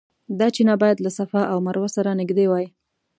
دا چینه باید له صفا او مروه سره نږدې وای.